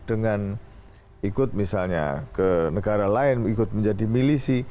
dengan ikut misalnya ke negara lain ikut menjadi milisi